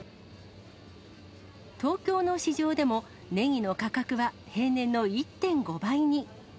東京の市場でも、ネギの価格は平年の１．５倍に。